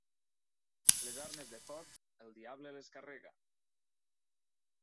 Les armes de foc, el diable les carrega.